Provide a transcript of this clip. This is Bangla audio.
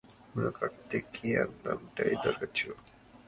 পরিকল্পনা বাস্তবায়নের জন্য শুধু আমার কার্তিকেয়ান নামটারই দরকার ছিল।